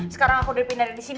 sekarang aku udah dipindahin disini